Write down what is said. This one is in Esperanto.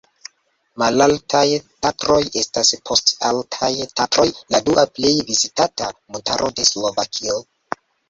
Malaltaj Tatroj estas post Altaj Tatroj la dua plej vizitata montaro de Slovakio.